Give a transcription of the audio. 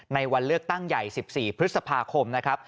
ในวันเลือกตั้งใหญ่๑๔พฤษภาคมนะครับ